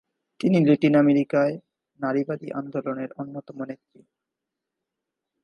তিনি ল্যাটিন আমেরিকায় নারীবাদী আন্দোলনের অন্যতম নেত্রী।